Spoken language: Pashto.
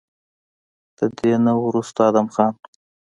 د دې نه وروستو ادم خان